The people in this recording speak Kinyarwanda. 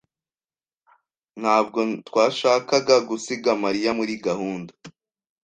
Ntabwo twashakaga gusiga Mariya muri gahunda.